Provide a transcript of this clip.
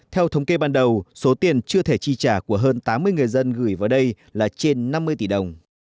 theo thống kê ban đầu số tiền chưa thể chi trả của hơn tám mươi người dân gửi vào đây là trên năm mươi tỷ đồng